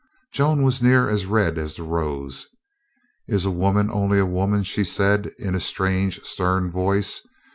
Joan was near as red as the rose. "Is a woman only a woman?" she said in a strange, stern voice.